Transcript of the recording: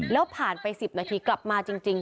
แล้วผ่านไป๑๐นาทีกลับมาจริง